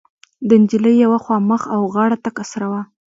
د نجلۍ يوه خوا مخ او غاړه تکه سره وه.